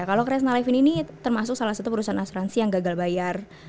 kalau kresna levin ini termasuk salah satu perusahaan asuransi yang gagal bayar